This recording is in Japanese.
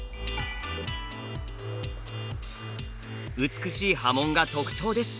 美しい刃文が特徴です。